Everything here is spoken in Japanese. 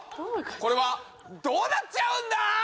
これはどうなっちゃうんだ？